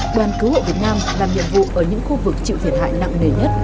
đoàn cứu hộ việt nam làm nhiệm vụ ở những khu vực chịu thiệt hại nặng nề nhất